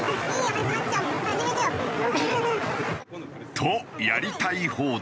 とやりたい放題。